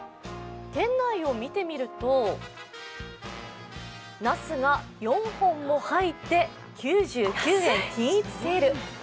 店内を見てみると、なすが４本も入って９９円均一セール。